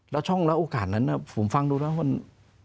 แล้วช่องแล้วโอกาสนั้นผมฟังดูแล้วมัน